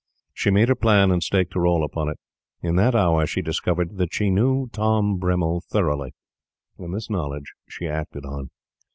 She made her plan and staked her all upon it. In that hour she discovered that she knew Tom Bremmil thoroughly, and this knowledge she acted on.